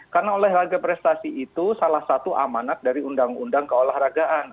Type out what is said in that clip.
karena olahraga prestasi itu salah satu amanat dari undang undang keolahragaan